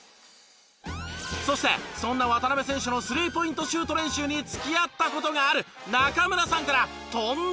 そしてそんな渡邊選手のスリーポイントシュート練習に付き合った事がある中村さんからとんでも話が！